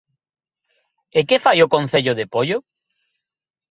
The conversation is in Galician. ¿E que fai o Concello de Poio?